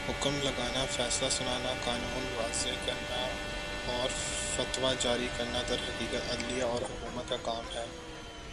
حکم لگانا، فیصلہ سنانا، قانون وضع کرنا اورفتویٰ جاری کرنا درحقیقت، عدلیہ اور حکومت کا کام ہے